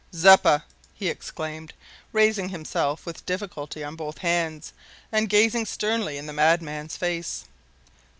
"Zeppa!" he exclaimed, raising himself with difficulty on both hands, and gazing sternly in the madman's face.